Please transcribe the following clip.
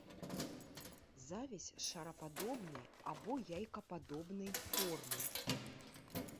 Завязь шарападобнай або яйкападобнай формы.